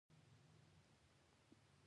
پښتو د شاوخوا شپيته ميليونه انسانانو ژبه ده.